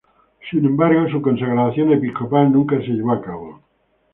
Sin embargo su consagración episcopal nunca se llevó a cabo.